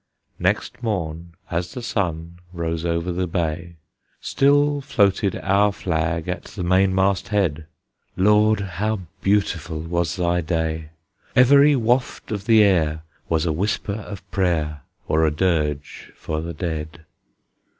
Next morn, as the sun rose over the bay, Still floated our flag at the mainmast head. Lord, how beautiful was thy day! Every waft of the air Was a whisper of prayer, Or a dirge for the dead.